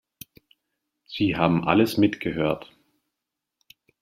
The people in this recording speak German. Sie haben alles mitgehört.